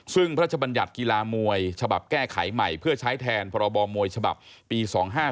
ซึ่งพระชบัญญัติกีฬามวยฉบับแก้ไขใหม่เพื่อใช้แทนพรบมวยฉบับปี๒๕๖